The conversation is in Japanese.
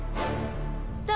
・誰？